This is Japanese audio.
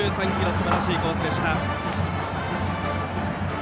すばらしいコースでした。